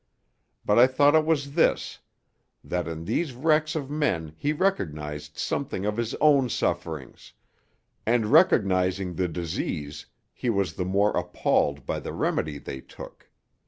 But I thought it was this: that in these wrecks of men he recognized something of his own sufferings; and recognizing the disease he was the more appalled by the remedy they took.